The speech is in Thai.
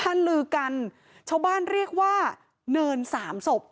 ลือกันชาวบ้านเรียกว่าเนินสามศพ